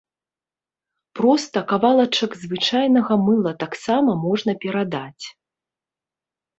Проста кавалачак звычайнага мыла таксама можна перадаць.